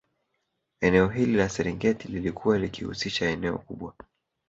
Eneo hili la Serengeti lilikuwa likihusisha eneo kubwa